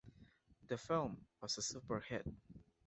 The film was a super hit.